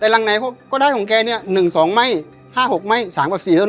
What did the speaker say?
แต่หลังไหนก็ก็ได้ของแกเนี้ยหนึ่งสองไหม้ห้าหกไหม้สามแบบสี่เท่านั้น